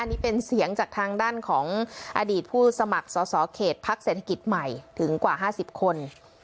นี่เป็นเสียงจากทางด้านของอดีตผู้สมัครสอสอเขตพักเศรษฐกิจใหม่ถึงกว่า๕๐คน